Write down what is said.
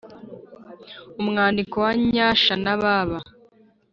Umwandiko wa nyasha na baba